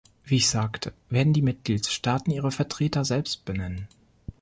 Wie ich sagte, werden die Mitgliedstaaten ihre Vertreter selbst benennen.